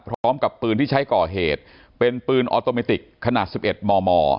พร้อมกับปืนที่ใช้ก่อเหตุเป็นปืนออโตเมติกขนาด๑๑มม